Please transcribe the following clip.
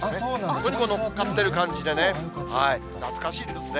そこにこう、乗っかってる感じでね、懐かしいですね。